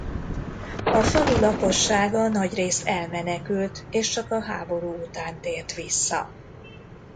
A falu lakossága nagyrészt elmenekült és csak a háború után tért vissza.